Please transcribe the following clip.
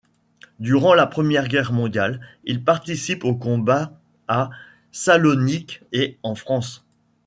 Durant la Première Guerre mondiale, il participe aux combats à Salonique et en France.